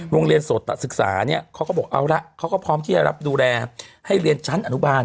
โสดศึกษาเนี่ยเขาก็บอกเอาละเขาก็พร้อมที่จะรับดูแลให้เรียนชั้นอนุบาล